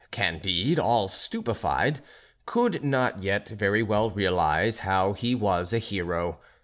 Candide, all stupefied, could not yet very well realise how he was a hero.